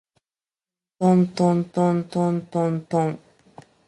ｌｌｌｌｌｌｌ